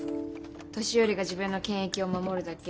年寄りが自分の権益を守るだけ。